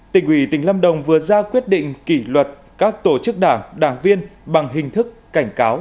tỉnh ủy tỉnh lâm đồng vừa ra quyết định kỷ luật các tổ chức đảng đảng viên bằng hình thức cảnh cáo